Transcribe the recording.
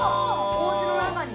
おうちの中に。